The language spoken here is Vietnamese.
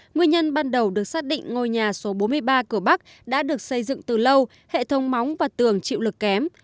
nguyên nhân ban đầu được xác định ngôi nhà số bốn mươi ba cửa bắc đã được xây dựng từ lâu hệ thống móng và tường chịu lực kém